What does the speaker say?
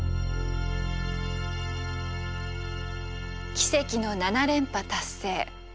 奇跡の７連覇達成。